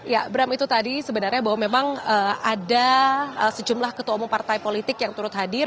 ya bram itu tadi sebenarnya bahwa memang ada sejumlah ketua umum partai politik yang turut hadir